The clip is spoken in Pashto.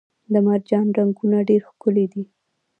د مرجان رنګونه ډیر ښکلي دي